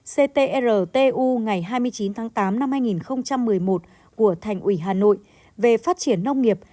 ctr tu ngày hai mươi chín tháng tám năm hai nghìn một mươi một của thành ủy hà nội về phát triển nông nghiệp